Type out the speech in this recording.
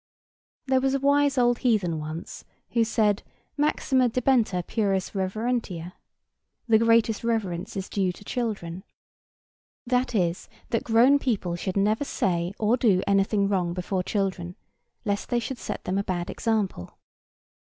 There was a wise old heathen once, who said, "Maxima debetur pueris reverentia"—The greatest reverence is due to children; that is, that grown people should never say or do anything wrong before children, lest they should set them a bad example.